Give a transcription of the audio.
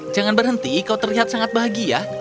jangan berhenti kau terlihat sangat bahagia